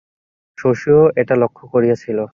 শশীও এটা লক্ষ করিয়াছিল।